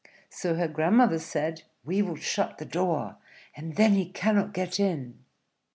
So her grandmother said, "We will shut the door, and then he cannot get in."